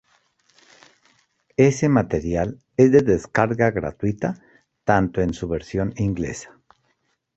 Ese material es de descarga gratuita tanto en su versión inglesa.